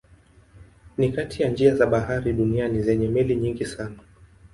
Ni kati ya njia za bahari duniani zenye meli nyingi sana.